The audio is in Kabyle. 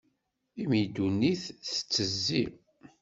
Imi ddunit tettezzi.